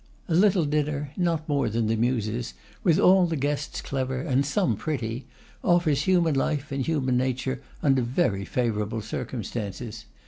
A little dinner, not more than the Muses, with all the guests clever, and some pretty, offers human life and human nature under very favourable circumstances.